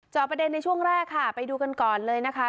ประเด็นในช่วงแรกค่ะไปดูกันก่อนเลยนะคะ